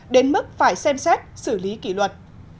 đến mức phải xem xét xử lý kỷ luật